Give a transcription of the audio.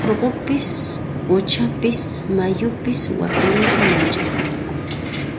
Urqupis quchapis mayupis waklita manchakun.